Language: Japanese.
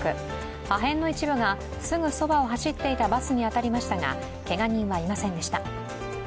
破片の一部がすぐそばを走っていたバスに当たりましたがけが人はいませんでした。